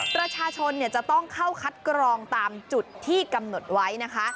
ประชาชนจะต้องเข้าคัดกรองตามจุดที่กำหนดไว้นะคะ